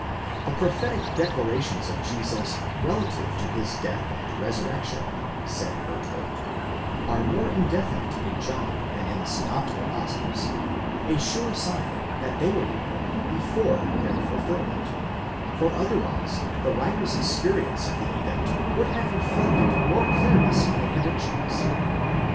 The prophetic declarations of Jesus relative to his death and resurrection, said Bertholdt, are more indefinite in John than in the synoptical gospels, a sure sign that they were recorded before their fulfilment, for otherwise the writer's experience of the event would have reflected more clearness on the predictions.